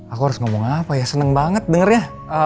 aku harus ngomong apa ya seneng banget dengernya